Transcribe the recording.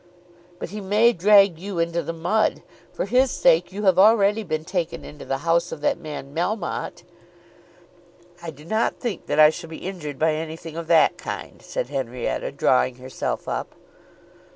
"But he may drag you into the mud. For his sake you have already been taken into the house of that man Melmotte." "I do not think that I shall be injured by anything of that kind," said Henrietta, drawing herself up.